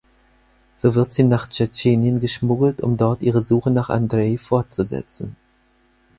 So wird sie nach Tschetschenien geschmuggelt, um dort ihre Suche nach Andrei fortzusetzen.